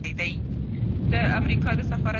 د اقليتونو سر او مال په امان کي دی.